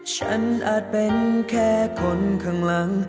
ฉันอาจเป็นแค่คนข้างหลัง